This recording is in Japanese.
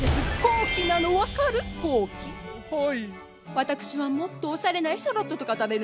私はもっとおしゃれなエシャロットとか食べるの。